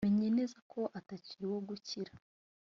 menye neza ko atakiri uwo gukira